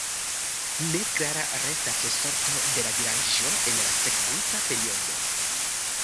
Neklara restas sorto de la vilaĝo en la sekvanta periodo.